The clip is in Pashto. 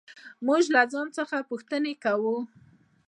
موږ له ځان څخه پوښتنې کوو.